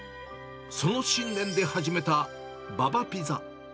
その信念で始めたババピザ。